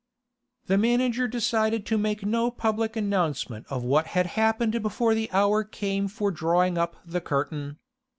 The manager decided to make no public announcement of what had happened before the hour came for drawing up the curtain.